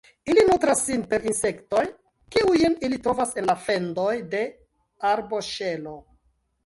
Ili nutras sin per insektoj, kiujn ili trovas en la fendoj de arboŝelo.